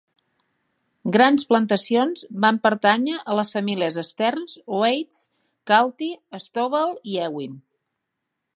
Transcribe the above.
Grans plantacions van pertanya a les famílies Stearns, Oates, Kalty, Stovall y Ewing.